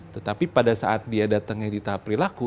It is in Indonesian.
tetapi pada saat dia datangnya di tahap perilaku